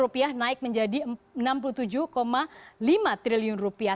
rupiah naik menjadi enam puluh tujuh lima triliun rupiah